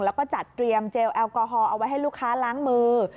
แล้วก็จัดเตรียมเจลแอลกอฮอลเอาไว้ให้ลูกค้าล้างมือ